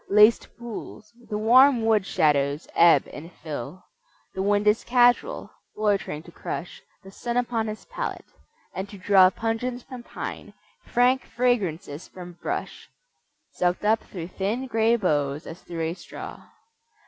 Laced pools: the warm wood shadows ebb and fill. The wind is casual, loitering to crush The sun upon his palate, and to draw Pungence from pine, frank fragrances from brush, Sucked up through thin grey boughs as through a straw.